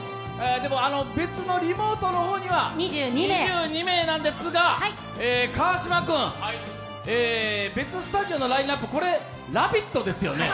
でも別のリモートの方には２２名なんですが、川島君、別スタジオのラインナップ、これ「ラヴィット！」ですよね？